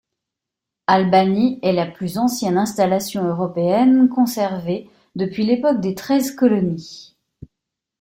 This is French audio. Albany est la plus ancienne installation européenne conservée depuis l'époque des Treize colonies.